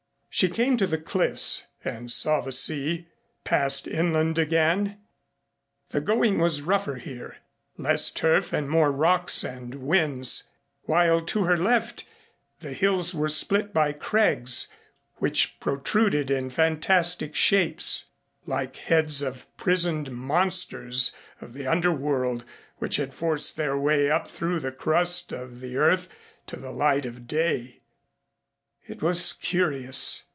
She came to the cliffs and saw the sea, passed inland again. The going was rougher here, less turf and more rocks and whins, while to her left the hills were split by crags which protruded in fantastic shapes, like heads of prisoned monsters of the underworld which had forced their way up through the crust of the earth to the light of day. It was curious.